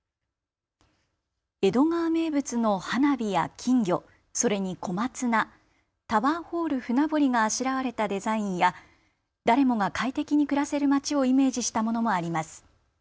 江戸川名物の花火や金魚、それに小松菜、タワーホール船堀があしらわれたデザインや誰もが快適に暮らせるまちをイメージしたものもあります。